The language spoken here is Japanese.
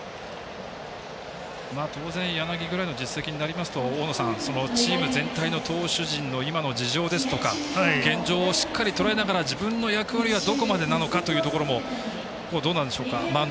当然、柳くらいの実績になりますと大野さん、チーム全体の投手陣の今の事情ですとか現状をしっかりとらえながら自分の役割はどこまでなのかというところもどうなんでしょうか。